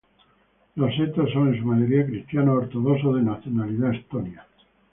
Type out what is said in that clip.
Los setos son en su mayoría cristianos ortodoxos de nacionalidad estonia.